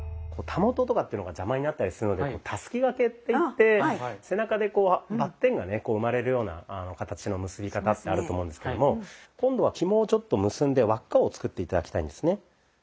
たもととかっていうのが邪魔になったりするのでたすき掛けっていって背中でバッテンがね生まれるような形の結び方ってあると思うんですけども今度はひもをちょっと結んで輪っかを作って頂きたいんですね。